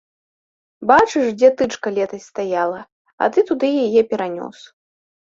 Бачыш, дзе тычка летась стаяла, а ты куды яе перанёс!